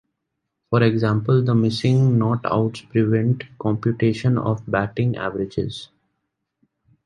For example, the missing not outs prevent computation of batting averages.